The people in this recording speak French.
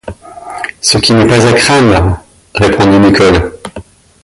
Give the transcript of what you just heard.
Ce qui n’est pas à craindre, répondit Nicholl.